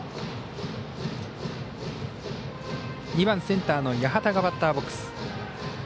２番センターの八幡がバッターボックス。